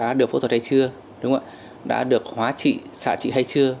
đã được phẫu thuật hay chưa đã được hóa trị xả trị hay chưa